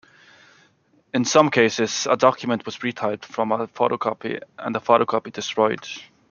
In some cases, a document was retyped from a photocopy, and the photocopy destroyed.